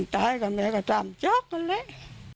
ทำแยามากเลย